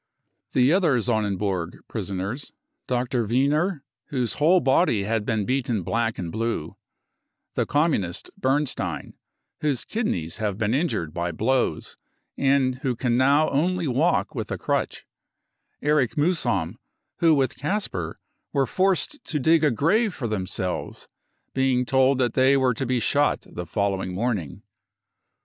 The other Sonnenburg prisoners : Dr. ' Wiener, whose whole body had been beaten black and 1 306 brown book of the hitler terror blue ; the Communist Bernstein, whose kidneys have been injured by blows and who can now only walk with a crutch ; Erich Muhsam, who with Kasper were forced to dig a grave for themselves, being told that they were to be shot the following morning.